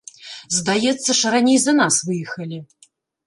Здаецца ж, раней за нас выехалі?